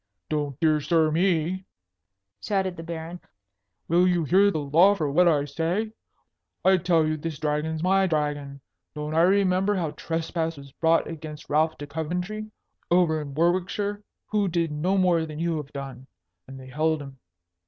"Don't dear sir me!" shouted the Baron. "Will you hear the law for what I say? I tell you this Dragon's my dragon. Don't I remember how trespass was brought against Ralph de Coventry, over in Warwickshire? Who did no more than you have done. And they held him.